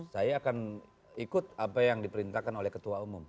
saya akan ikut apa yang diperintahkan oleh ketua umum